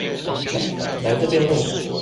來這邊問問